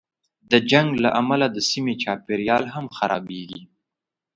د جنګ له امله د سیمې چاپېریال هم خرابېږي.